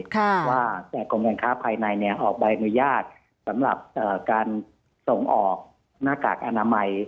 ว่ากรมการค้าภายในออกใบอนุญาตสำหรับการส่งออกหน้ากากอนามัย